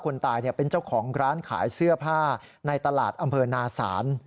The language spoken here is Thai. คนตายเป็นเจ้าของร้านขายเสื้อผ้าในตลาดอำเภอนาศาล